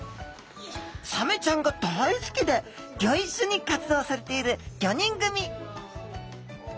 サメちゃんが大好きでギョ一緒に活動されている５人組